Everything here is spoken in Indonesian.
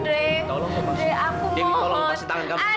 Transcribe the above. dek aku mohon dek tolong pasang tangan kamu